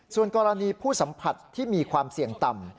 ส่วนกรณีผู้สัมผัสที่มีความเสี่ยงต่ำ